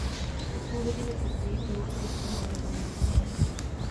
O půl hodiny později policie stále nebyla na místě.